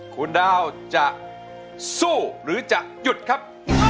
คุณดาวจะสู้หรือจะหยุดครับ